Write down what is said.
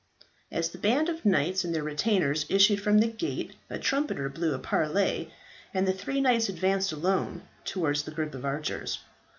As the band of knights and their retainers issued from the gate, a trumpeter blew a parley, and the three knights advanced alone towards the group of archers.